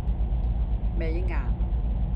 尾禡